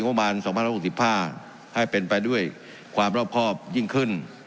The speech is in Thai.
งโมงานสองพันหกสิบห้าให้เป็นไปด้วยความรอบครอบยิ่งขึ้น